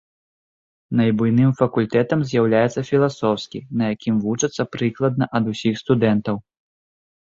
Найбуйным факультэтам з'яўляецца філасофскі, на якім вучацца прыкладна ад усіх студэнтаў.